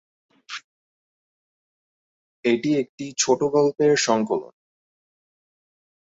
এটি একটি ছোটগল্পের সংকলন।